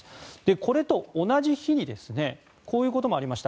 これと同じ日にこういうこともありました。